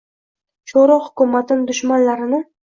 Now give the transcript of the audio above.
Shoʻro hukumatin dushmanlarini